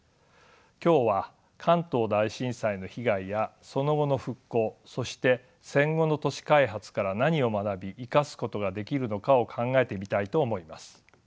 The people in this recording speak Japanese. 今日は関東大震災の被害やその後の復興そして戦後の都市開発から何を学び生かすことができるのかを考えてみたいと思います。